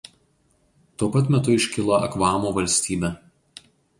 Tuo pat metu iškilo Akvamu valstybė.